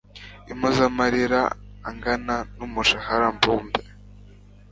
impozamarira angana n umushahara mbumbe